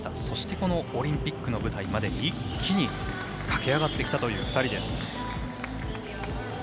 そして、オリンピックの舞台まで一気に駆け上がってきたという２人です。